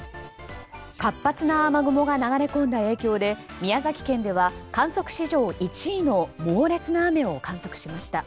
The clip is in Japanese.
活発な雨雲が流れ込んだ影響で宮崎県では観測史上１位の猛烈な雨を観測しました。